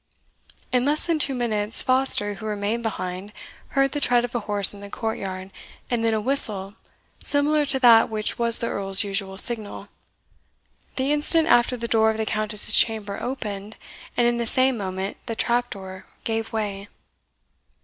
In less than two minutes, Foster, who remained behind, heard the tread of a horse in the courtyard, and then a whistle similar to that which was the Earl's usual signal. The instant after the door of the Countess's chamber opened, and in the same moment the trap door gave way.